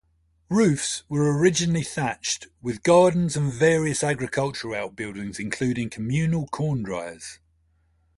Roofs were originally thatched, with gardens and various agricultural outbuildings including communal corn-driers.